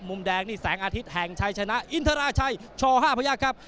มุมแดงนี่แสงอาทิตย์แห่งชัยชนะอินทราชัยช่อ๕พยักษ์ครับ